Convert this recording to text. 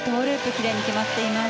きれいに決まっています。